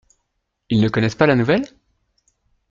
Ils ne connaissent pas la nouvelle ?